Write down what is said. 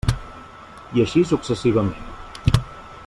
I així successivament.